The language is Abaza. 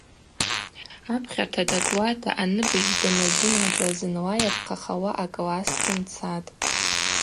Апхьарта дакӏуата аныбыжь даназынадза зынла йапхъахауа акласс дгьымцатӏ.